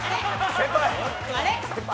先輩！